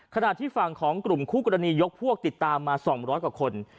ขณะที่ฝั่งของกลุ่มคู่กรณียกพวกติดตามมา๒๐๐กว่าคน